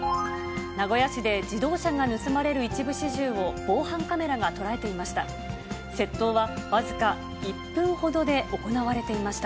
名古屋市で自動車が盗まれる一部始終を防犯カメラが捉えていました。